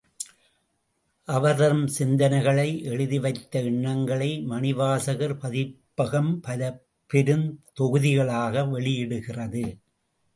அவர்தம் சிந்தனைகளை, எழுதிவைத்த எண்ணங்களை மணிவாசகர் பதிப்பகம் பல பெருந் தொகுதிகளாக வெளியிடுகிறது.